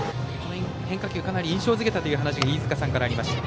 変化球、かなり印象づけたという話が飯塚さんからありました。